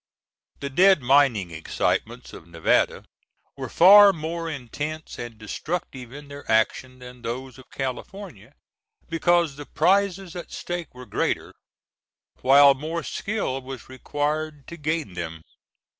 The dead mining excitements of Nevada were far more intense and destructive in their action than those of California, because the prizes at stake were greater, while more skill was required to gain them.